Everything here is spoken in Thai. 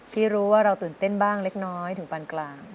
เต้นบ้างเล็กน้อยถึงปานกลาง